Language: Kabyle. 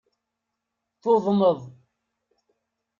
Tuḍneḍ.